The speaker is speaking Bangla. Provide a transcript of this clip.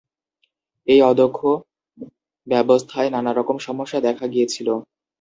এই অদক্ষ ব্যবস্থায় নানারকম সমস্যা দেখা গিয়েছিল।